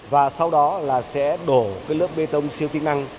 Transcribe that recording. và sau đó là sẽ đổ cái lớp bê tông siêu tính năng